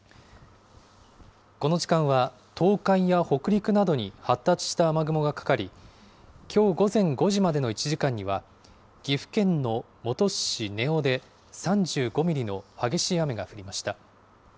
この時間は東海や北陸などに発達した雨雲がかかり、きょう午前５時までの１時間には、岐阜県の本巣市根尾で３５ミリの激しい雨が降りました。